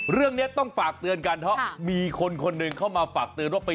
เรื่องนี้ต้องฝากเตือนกันเพราะมีคนคนหนึ่งเข้ามาฝากเตือนว่าไป